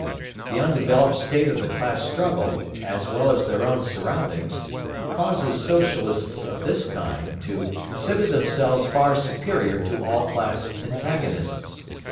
The undeveloped state of the class struggle, as well as their own surroundings, causes Socialists of this kind to consider themselves far superior to all class antagonisms.